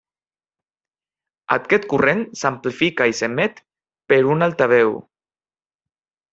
Aquest corrent s'amplifica i s'emet per un altaveu.